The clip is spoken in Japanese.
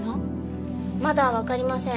まだわかりません。